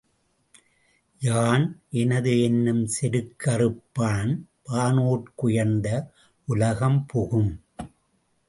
யான் எனதுஎன்னும் செருக்குஅறுப்பான் வானோர்க்கு உயர்ந்த உலகம் புகும்.